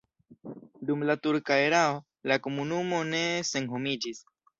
Dum la turka erao la komunumo ne senhomiĝis.